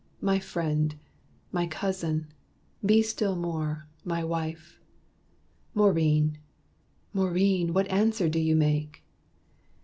My friend my cousin be still more, my wife! Maurine, Maurine, what answer do you make?"